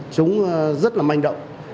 chúng rất là manh động